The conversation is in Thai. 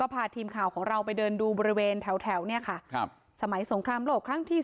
พาทีมข่าวของเราไปเดินดูบริเวณแถวเนี่ยค่ะครับสมัยสงครามโลกครั้งที่๓